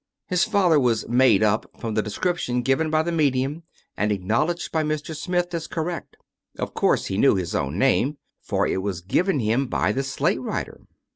His father was " made up " from the description given by the medium, and acknowledged by Mr. Smith as correct. Of course he knew his own name, for it was given him by the slate writer.